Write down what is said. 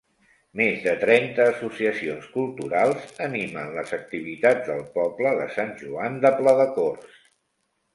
Més de trenta associacions culturals animen les activitats del poble de Sant Joan de Pladecorts.